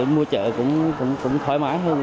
mua chợ cũng thoải mái hơn